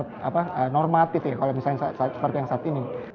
itu harus dihormati seperti yang saat ini